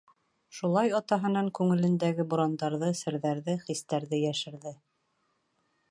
Шулай атаһынан күңелендәге бурандарҙы, серҙәрҙе, хистәрҙе йәшерҙе.